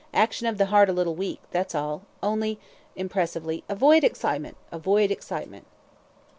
"Action of the heart a little weak, that's all only," impressively, "avoid excitement avoid excitement."